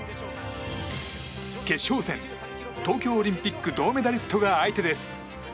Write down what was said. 決勝戦、東京オリンピック銅メダリストが相手です。